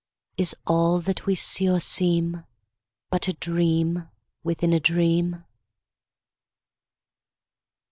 Is all that we see or seem But a dream within a dream?